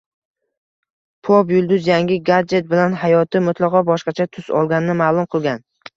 Pop-yulduz yangi gadjet bilan hayoti mutlaqo boshqacha tus olganini ma’lum qilgan